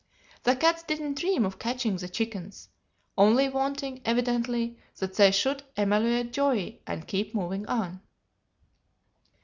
The cats didn't dream of catching the chickens, only wanting, evidently, that they should emulate Joey and keep moving on.